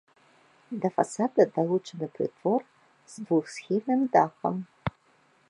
Да фасада далучаны прытвор з двухсхільным дахам.